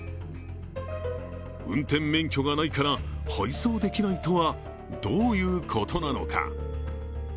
運転免許がないから配送できないとは、どういうことなのか。